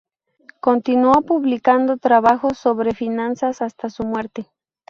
Continuó publicando trabajos sobre finanzas hasta su muerte.